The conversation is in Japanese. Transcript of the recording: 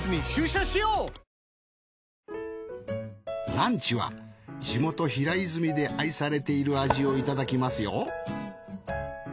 ランチは地元平泉で愛されている味をいただきますよ。